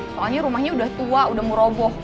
soalnya rumahnya udah tua udah meroboh